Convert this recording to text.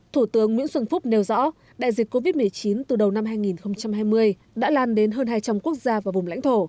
thủ tướng nguyễn xuân phúc nêu rõ đại dịch covid một mươi chín từ đầu năm hai nghìn hai mươi đã lan đến hơn hai trăm linh quốc gia và vùng lãnh thổ